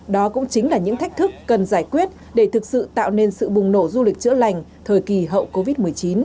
đó cũng chính là những thách thức cần giải quyết để thực sự tạo nên sự bùng nổ du lịch chữa lành thời kỳ hậu covid một mươi chín